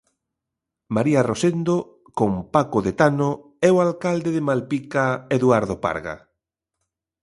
María Rosendo, con Paco de Tano e o alcalde de Malpica, Eduardo Parga.